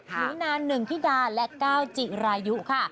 หนูนาหนึ่งธิดาและก้าวจิรายุค่ะ